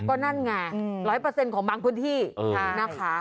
ก็นั่นไง๑๐๐ของบางพื้นที่นะคะ